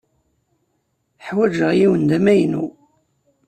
Ḥwajeɣ yiwen d amaynut.